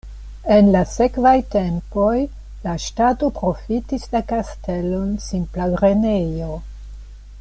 En la sekvaj tempoj la ŝtato profitis la kastelon simpla grenejo.